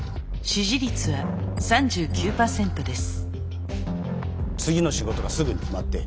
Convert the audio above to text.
支持率は３５％です。